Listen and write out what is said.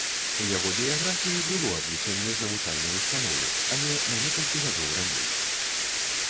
У яго біяграфіі было адлічэнне з навучальнай установы, але на некалькі гадоў раней.